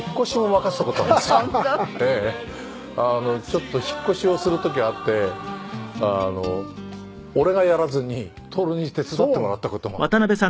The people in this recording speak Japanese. ちょっと引っ越しをする時があって俺がやらずに徹に手伝ってもらった事もあるんです。